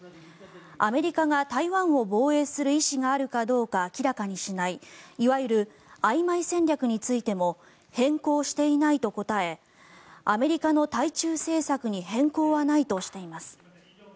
アメリカが台湾を防衛する意思があるかどうか明らかにしないいわゆるあいまい戦略についても変更していないと答えアメリカの対中政策に変更はないとしています。